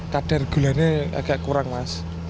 kadar gulanya agak kurang mas